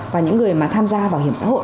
và những người mà tham gia bảo hiểm xã hội